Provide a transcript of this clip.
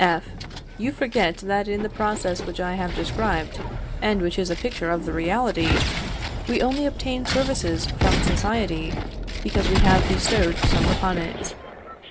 F. You forget that in the process which I have described, and which is a picture of the reality, we only obtain services from society because we have bestowed some upon it.